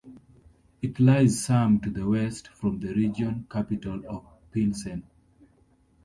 It lies some to the west from the region capital of Pilsen.